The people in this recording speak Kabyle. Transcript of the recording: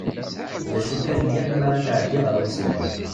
D acu kan yal mi ara tɛeddi ɣer umeslay.